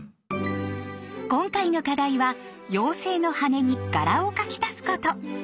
今回の課題は「妖精」の羽に柄を描き足すこと。